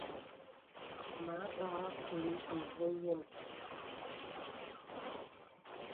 Mə a bagha kùlì ìvɔ̄ɔ̄ yəm.